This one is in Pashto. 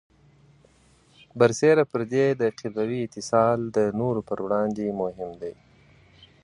برسېره پر دې، د قبیلوي اتصال د نورو پر وړاندې مهم دی.